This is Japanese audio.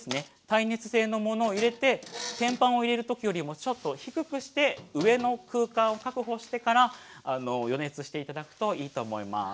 耐熱製のものを入れて天板を入れる時よりもちょっと低くして上の空間を確保してから予熱して頂くといいと思います。